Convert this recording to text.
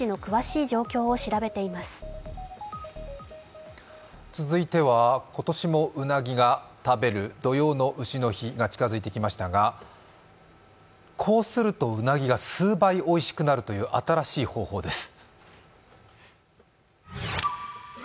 続いては今年もうなぎを食べる土用の丑の日が近づいてきましたが、こうするとうなぎが数倍おいしくなるという新しい方法です。